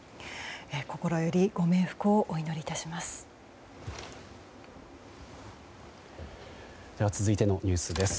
心よりご冥福をお祈りいたします。